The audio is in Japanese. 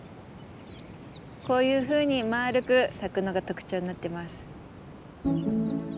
こういうふうにまるく咲くのが特徴になってます。